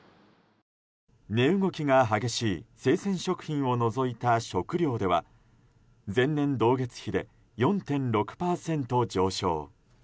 値動きが激しい生鮮食品を除いた食料では前年同月比で４．６％上昇。